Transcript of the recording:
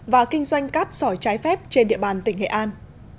và kinh doanh cát sỏi trái phép trên địa bàn tỉnh nghệ an